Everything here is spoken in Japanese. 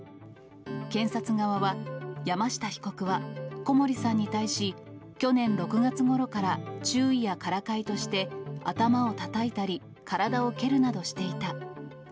検察側は、山下被告は小森さんに対し、去年６月ごろから注意やからかいとして、頭をたたいたり、体を蹴るなどしていた。